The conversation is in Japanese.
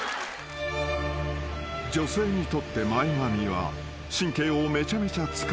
［女性にとって前髪は神経をめちゃめちゃ使う部分］